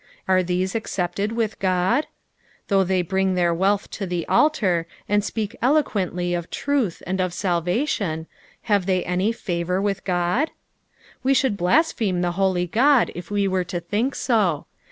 Are these accepted with God f Though they bring their wealth to the altar, and speak eloquently of truth and of salvation, have they any favour with God ! We should blaspheme the holy God if we were to think so.